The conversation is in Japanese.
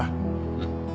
うん。